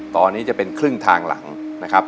ตอนนี้จะเป็นครึ่งทางหลังนะครับ